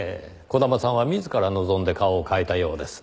児玉さんは自ら望んで顔を変えたようです。